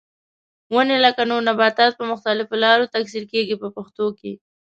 ونې لکه نور نباتات په مختلفو لارو تکثیر کېږي په پښتو کې.